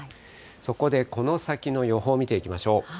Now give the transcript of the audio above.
そこで、この先の予報見ていきましょう。